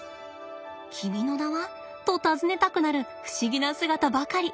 君の名は？と尋ねたくなる不思議な姿ばかり。